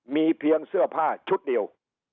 มีเพียงเสื้อผ้าชุดเดียว